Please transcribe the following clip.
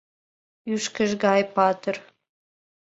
— Ӱшкыж гай патыр.